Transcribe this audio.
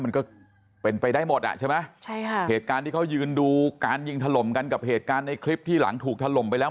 มันก็เป็นไปได้หมดอ่ะใช่ไหมใช่ค่ะเหตุการณ์ที่เขายืนดูการยิงถล่มกันกับเหตุการณ์ในคลิปที่หลังถูกถล่มไปแล้ว